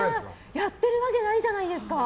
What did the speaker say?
やってるわけないじゃないですか。